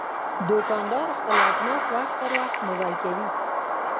دوکاندار خپل اجناس وخت پر وخت نوی کوي.